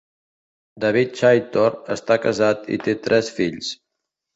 David Chaytor està casat i té tres fills.